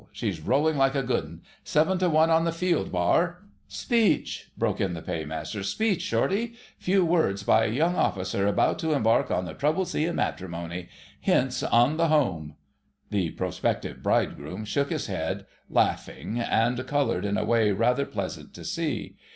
She's rolling like a good 'un. Seven to one on the field, bar——" "Speech!" broke in the Paymaster. "Speech, Shortie! Few words by a young officer about to embark on the troubled sea of matrimony. Hints on the Home——" The prospective bridegroom shook his head, laughing, and coloured in a way rather pleasant to see.